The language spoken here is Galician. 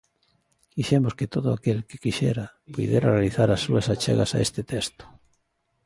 Quixemos que todo aquel que quixera puidera realizar as súas achegas a este texto.